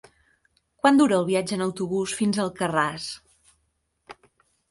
Quant dura el viatge en autobús fins a Alcarràs?